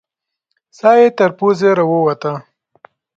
ساه یې تر پزې راووته.